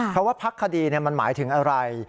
เพราะว่าพักคดีมันหมายถึงอะไร